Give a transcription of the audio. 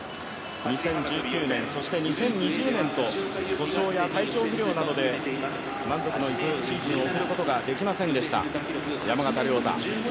２０１９年そして２０２０年と故障や体調不良などで満足のいく練習を行うことができませんでした、山縣亮太。